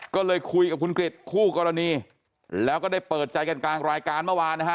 ก็เลยคุยกับคุณกริจคู่กรณีแล้วก็ได้เปิดใจกันกลางรายการเมื่อวานนะฮะ